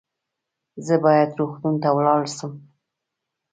زه باید روغتون ته ولاړ سم